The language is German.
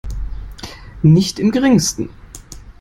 Nicht im Geringsten.